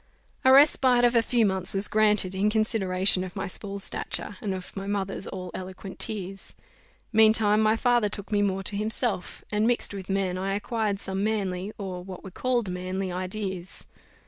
A respite of a few months was granted, in consideration of my small stature, and of my mother's all eloquent tears. Meantime my father took me more to himself; and, mixed with men, I acquired some manly, or what were called manly, ideas.